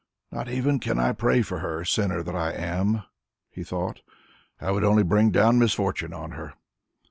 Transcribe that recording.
"Not even can I pray for her, sinner that I am!" he thought. "I would only bring down misfortune on her."